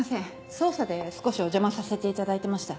捜査で少しお邪魔させていただいてました。